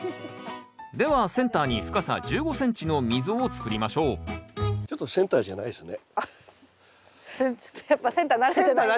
ではセンターに深さ１５ｃｍの溝を作りましょうセンター慣れなかった？